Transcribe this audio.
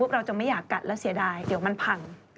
เราจะไม่อยากกัดและเสียดายเดี๋ยวมันพัง